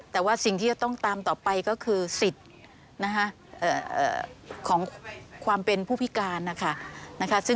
แต่ว่าสิ่งที่จะต้องตามต่อไปก็คือสิทธิ์ของความเป็นผู้พิการนะคะ